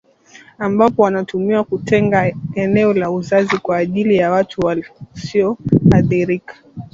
ambapo wanatuhumiwa kutenga eneo la uzazi kwa ajili ya watu wasioridhika